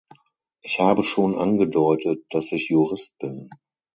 Ich habe schon angedeutet, dass ich Jurist bin.